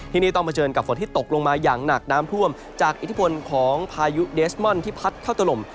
ที่นี่ต้องเผชิญกับฝนที่ตกลงมาอย่างหนักน้ำท่วมจากอิทธิพลของพายุเดสมอนที่พัดเข้าถล่ม